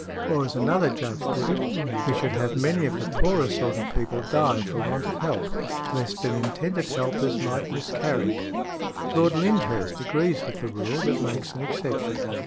Or as another Judge put it, we should have many of the poorer sort of people die for want of help, lest their intended helpers might miscarry . Lord Lyndhurst agrees with the rule, but makes an exception.